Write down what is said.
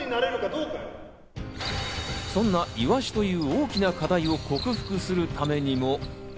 そんなイワシという大きな課題を克服するためにも。